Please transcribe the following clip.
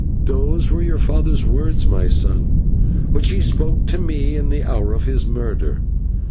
"Those were your father's words, my son, which he spoke to me in the hour of his murder.